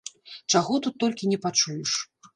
Чаго тут толькі не пачуеш!